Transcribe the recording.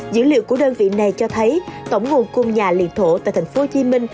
dữ liệu của đơn vị này cho thấy tổng nguồn cung nhà liệt thổ tại tp hcm